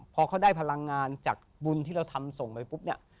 พอเขาได้พลังงานจากบุญที่เราทำส่งไปปุ๊บเนี่ย